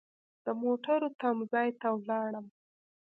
د موټرو تم ځای ته ولاړم.